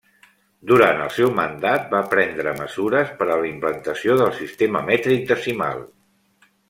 Durant el seu mandat va prendre mesures per a la implantació del sistema mètric decimal.